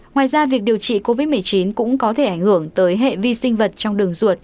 ngoài ra việc điều trị covid một mươi chín cũng có thể ảnh hưởng tới hệ vi sinh vật trong đường ruột